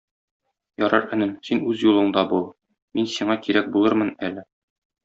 Ярар, энем, син үз юлыңда бул, мин сиңа кирәк булырмын әле.